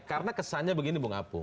karena kesannya begini bung apung